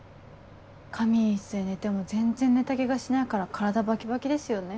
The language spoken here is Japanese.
仮眠室で寝ても全然寝た気がしないから体バキバキですよね。